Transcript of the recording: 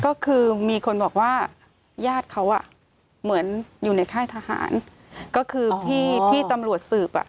ก็คือมีคนบอกว่าญาติเขาอ่ะเหมือนอยู่ในค่ายทหารก็คือพี่พี่ตำรวจสืบอ่ะ